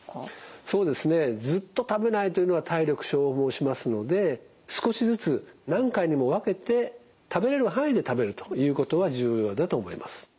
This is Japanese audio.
そうですねずっと食べないというのは体力消耗しますので少しずつ何回にも分けて食べれる範囲で食べるということは重要だと思います。